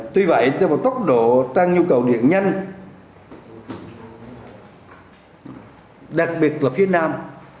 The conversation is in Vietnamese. tuy vậy do một tốc độ tăng nhu cầu điện nhanh đặc biệt là phía nam